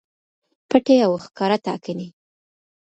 پټې او ښکاره ټاکنې